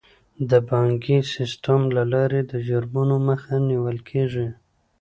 د بانکي سیستم له لارې د جرمونو مخه نیول کیږي.